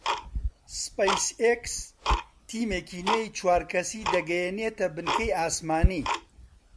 سپەیس ئێکس تیمێکی نوێی چوار کەسی دەگەیەنێتە بنکەی ئاسمانی